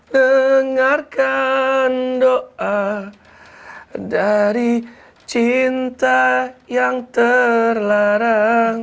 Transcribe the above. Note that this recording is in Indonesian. dengarkan doa dari cinta yang terlarang